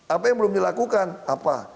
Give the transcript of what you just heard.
apa yang belum dilakukan apa